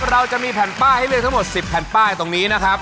เราจะมีแผ่นป้ายให้เลือกทั้งหมด๑๐แผ่นป้ายตรงนี้นะครับ